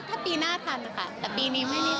ถ้าปีหน้าทันค่ะแต่ปีนี้ไม่ได้ทันค่ะ